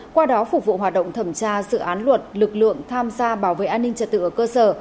qua đó phục vụ hoạt động thẩm tra dự án luật lực lượng tham gia bảo vệ an ninh trật tự ở cơ sở